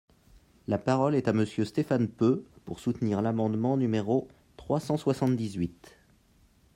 La parole est à Monsieur Stéphane Peu, pour soutenir l’amendement numéro trois cent soixante-dix-huit.